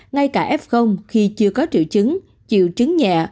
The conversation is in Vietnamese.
ngay cả f khi chưa có triệu chứng triệu chứng nhẹ